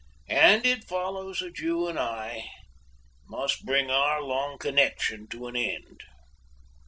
And it follows that you and I must bring our long connection to an end.